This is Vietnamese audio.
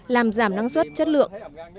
làm giảm năng suất chất lượng